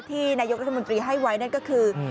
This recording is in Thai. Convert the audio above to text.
ที่นายกรัฐมนตรีให้ไว้นั่นก็คือ